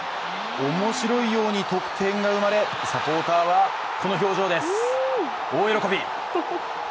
面白いように得点が生まれ、サポーターはこの表情です、大喜び。